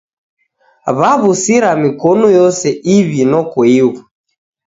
Waw'usiria mikonu yose iw'i noko ighu.